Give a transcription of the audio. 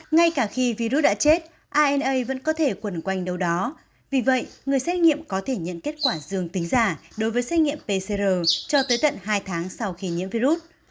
ngay cả khi virus đã chết rna vẫn có thể quẩn quanh đâu đó vì vậy người xét nghiệm có thể nhận kết quả dương tính giả đối với xét nghiệm pcr cho tới tận hai tháng sau khi nhiễm virus